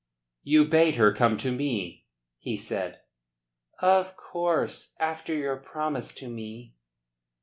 "You bade her come to me?" he said. "Of course. After your promise to me."